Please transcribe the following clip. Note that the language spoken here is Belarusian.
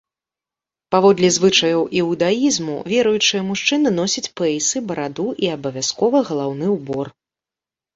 Паводле звычаяў іўдаізму, веруючыя мужчыны носяць пэйсы, бараду і абавязкова галаўны ўбор.